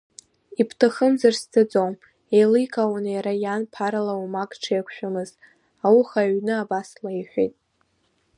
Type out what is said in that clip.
Ибҭахымзар сцаӡом, еиликаауан иара иан ԥарала уамак дшеиқәшәамыз, ауха аҩны абас леиҳәеит.